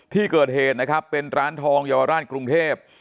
ที่เกิดเหตุนะครับเป็นร้านทองเยาวราชกรุงเทพ